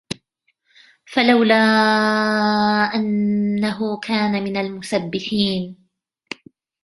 فَلَوْلَا أَنَّهُ كَانَ مِنَ الْمُسَبِّحِينَ